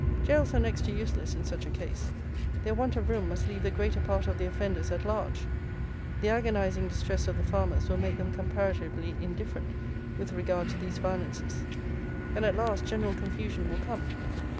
Jails are next to useless in such a case: their want of room must leave the greater part of the offenders at large; the agonizing distress of the farmers will make them comparatively indifferent with regard to these violences; and, at last, general confusion will come.